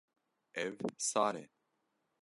Ev sar e.